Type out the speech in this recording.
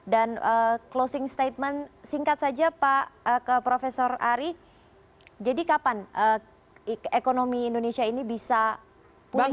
dan closing statement singkat saja pak profesor ari jadi kapan ekonomi indonesia ini bisa pulih lagi